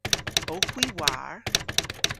Owgh hwi war?